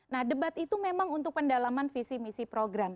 nah debat itu memang untuk pendalaman visi misi program